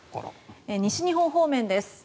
西日本方面です。